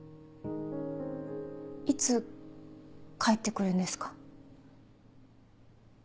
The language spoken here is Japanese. いつ帰って来るんですか？